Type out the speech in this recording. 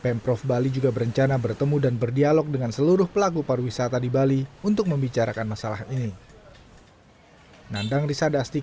pemprov bali juga berencana bertemu dan berdialog dengan seluruh pelaku pariwisata di bali untuk membicarakan masalah ini